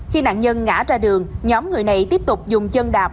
khi nạn nhân ngã ra đường nhóm người này tiếp tục dùng chân đạp